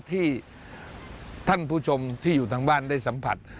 ที่ท่านผู้ชมที่อยู่ทางบ้านได้สัมผัส